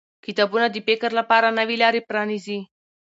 کتابونه د فکر لپاره نوې لارې پرانیزي